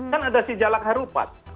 kan ada sejalak harupat